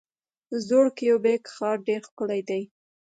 زوړ کیوبیک ښار ډیر ښکلی دی.